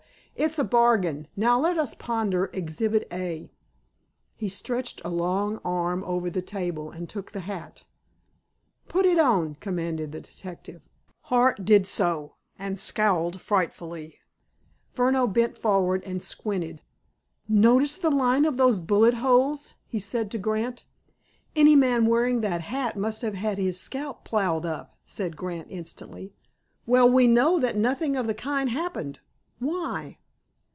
It's a bargain. Now let us ponder Exhibit A." He stretched a long arm over the table, and took the hat. "Put it on!" commanded the detective. Hart did so, and scowled frightfully. Furneaux bent forward and squinted. "Notice the line of those bullet holes," he said to Grant. "Any man wearing that hat must have had his scalp ploughed up," said Grant instantly. "Well, we know that nothing of the kind happened. Why?"